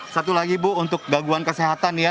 satu lagi ibu untuk gaguan kesehatan ya